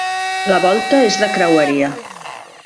La volta és de creueria.